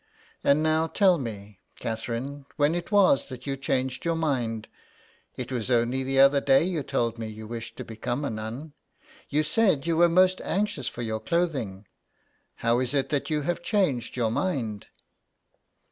And now tell me, Catherine, when it was that you changed your mind. It was only the other day you told me you wished to become a nun. You said you were most anxious for your clothing. How is it that you have changed your mind